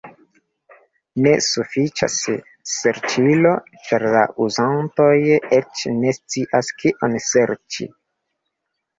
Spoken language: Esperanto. Ne sufiĉas serĉilo, ĉar la uzantoj eĉ ne scias kion serĉi.